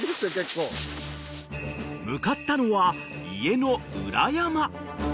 ［向かったのは家の裏山］